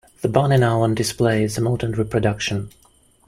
The banner now on display is a modern reproduction.